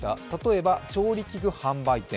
例えば、調理器具販売店。